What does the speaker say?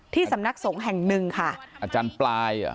ที่สำนักสงฆ์แห่งหนึ่งอาจารย์ปลาย